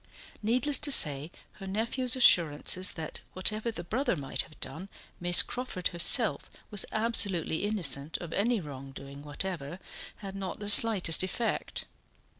Needless to say, her nephew's assurances that whatever the brother might have done Miss Crawford herself was absolutely innocent of any wrongdoing whatever, had not the slightest effect.